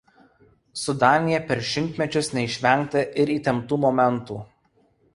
Su Danija per šimtmečius neišvengta ir įtemptų momentų.